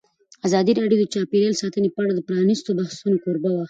ازادي راډیو د چاپیریال ساتنه په اړه د پرانیستو بحثونو کوربه وه.